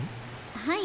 はい。